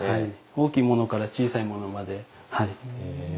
大きいものから小さいものまではい。